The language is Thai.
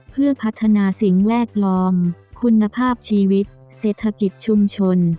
เพื่อพัฒนาสิ่งแวดล้อมคุณภาพชีวิตเศรษฐกิจชุมชน